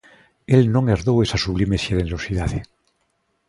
El non herdou esa sublime xenerosidade.